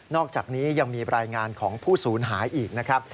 อกจากนี้ยังมีรายงานของผู้สูญหายอีกนะครับ